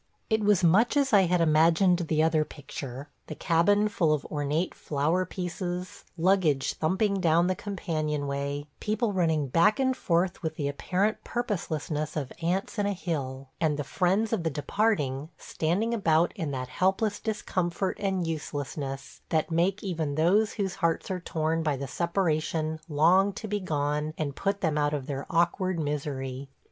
It was much as I had imagined the other picture: the cabin full of ornate flower pieces; luggage thumping down the companion way; people running back and forth with the apparent purposelessness of ants in a hill; and the friends of the departing standing about in that helpless discomfort and uselessness that make even those whose hearts are torn by the separation long to be gone and put them out of their awkward misery.